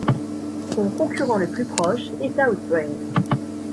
Son concurrent le plus proche est Outbrain.